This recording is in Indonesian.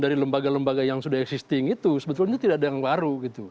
dari lembaga lembaga yang sudah existing itu sebetulnya tidak ada yang baru gitu